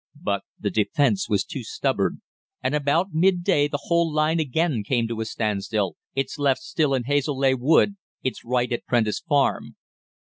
But the defence was too stubborn, and about midday the whole line again came to a standstill, its left still in Hazeleigh Wood, its right at Prentice Farm.